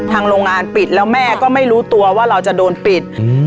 โรงงานปิดแล้วแม่ก็ไม่รู้ตัวว่าเราจะโดนปิด